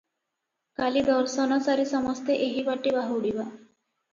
କାଲି ଦର୍ଶନସାରି ସମସ୍ତେ ଏହିବାଟେ ବାହୁଡ଼ିବା ।